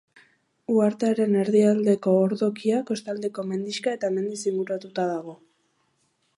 Uhartearen erdialdeko ordokia kostaldeko mendixka eta mendiz inguratuta dago.